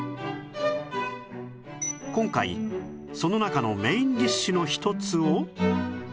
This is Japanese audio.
今回その中のメインディッシュの一つを